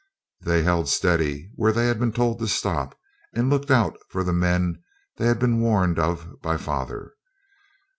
They held steady where they had been told to stop, and looked out for the men they'd been warned of by father.